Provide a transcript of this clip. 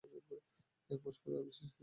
একমাস পরে আর বিশেষ কষ্ট ছিল না।